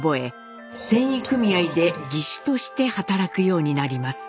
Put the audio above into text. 繊維組合で技手として働くようになります。